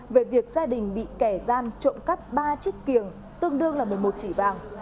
về việc gia đình bị kẻ gian trộm cắp ba chiếc kiềng tương đương là một mươi một chỉ vàng